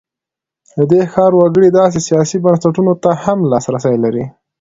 د دې ښار وګړي داسې سیاسي بنسټونو ته هم لاسرسی لري.